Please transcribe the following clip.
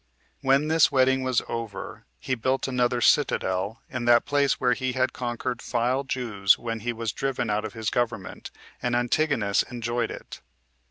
4. When this wedding was over, he built another citadel in that place where he had conquered the Jews when he was driven out of his government, and Antigonus enjoyed it.